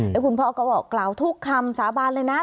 แล้วคุณพ่อก็บอกกล่าวทุกคำสาบานเลยนะ